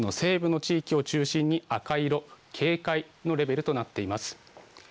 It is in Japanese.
県の西部の地域を中心に赤色、警戒のレベルとなっています。